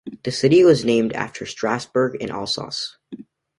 The city was named after Strassburg, in Alsace.